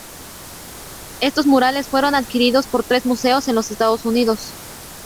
Estos murales fueron adquiridos por tres museos en los Estados Unidos.